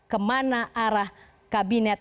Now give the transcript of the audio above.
kemana arah kabinet